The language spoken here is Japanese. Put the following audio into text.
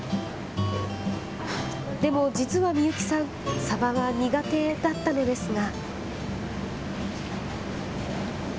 でも実は美幸さん、サバは苦手だったのですが。